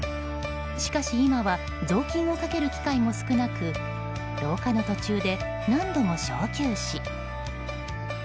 しかし今は雑巾をかける機会も少なく廊下の途中で何度も小休止。